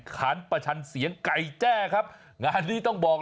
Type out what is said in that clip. เอาครั้นอีกครั้นอีกนี่โอ้โห